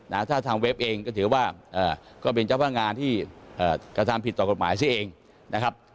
ถ้าทางเว็บเองก็ถือว่าเอ่อก็เป็นเจ้าพนักงานที่เอ่อกระทำผิดต่อกฎหมายซะเองนะครับ